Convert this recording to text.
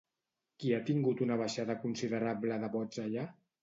Qui ha tingut una baixada considerable de vots allà?